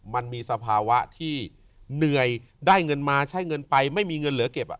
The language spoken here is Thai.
มันมีสภาวะที่เหนื่อยได้เงินมาใช้เงินไปไม่มีเงินเหลือเก็บ